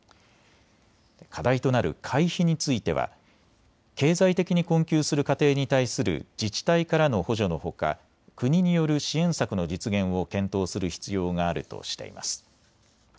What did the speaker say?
課題となる会費については経済的に困窮する家庭に対する自治体からの補助のほか国による支援策の実現を検討する必要があるとしています。